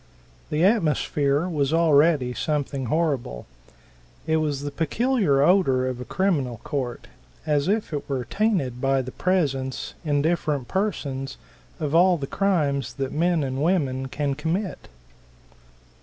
The atmosphere was already something horrible. It was the peculiar odor of a criminal court, as if it were tainted by the presence, in different persons, of all the crimes that men and women can commit.